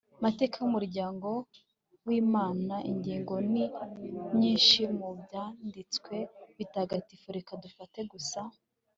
mateka y'umuryango w'imana. ingero ni nyinshi mu byanditswe bitagatifu, reka dufate gusa